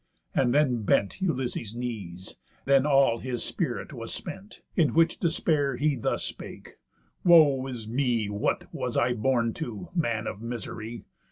And then bent Ulysses' knees, then all his spirit was spent. In which despair, he thus spake: "Woe is me! What was I born to, man of misery!